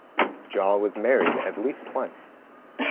Jaw was married at least twice.